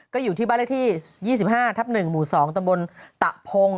ก็อยู่ที่บ้านเลขที่๒๕ทับ๑หมู่๒ตำบลตะพง